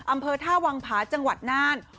อำเภอท่าวังผาจังหวัดน่าน